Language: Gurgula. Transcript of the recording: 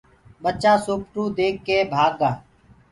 ڀچآ سوپٽوُ ديک ڪي ڀآگ گآ۔